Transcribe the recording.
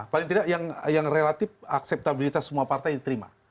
paling tidak yang relatif akseptabilitas semua partai diterima